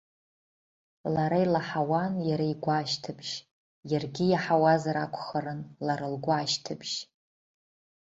Лара илаҳауан иара игәы ашьҭыбжь, иаргьы иаҳауазар акәхарын лара лгәы ашьҭыбжь.